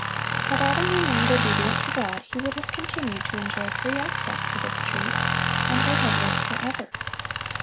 Had Adam remained obedient to God, he would have continued to enjoy free access to this tree, and would have lived forever.